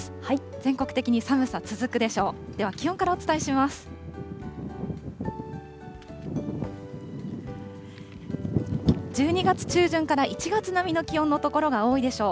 全国的に寒さ続くでしょう。